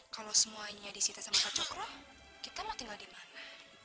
kalau semuanya disita sama pak cokro kita mau tinggal di mana